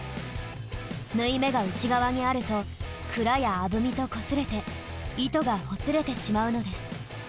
縫い目が内側にあると鞍やアブミとこすれて糸がほつれてしまうのです。